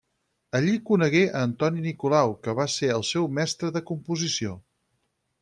Allí conegué a Antoni Nicolau, que va ser el seu mestre de composició.